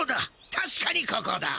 たしかにここだ！